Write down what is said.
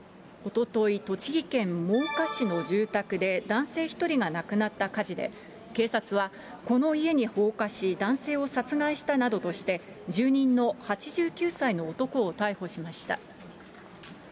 おととい、栃木県真岡市の住宅で男性１人が亡くなった火事で、警察はこの家に放火し、男性を殺害したなどとして、住人の８９歳の男を逮捕しました。